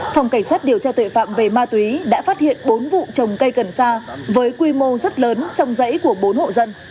phòng cảnh sát điều tra tuệ phạm về ma túy đã phát hiện bốn vụ trồng cây gần xa với quy mô rất lớn trong dãy của bốn hộ dân